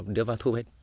đưa vào thu hết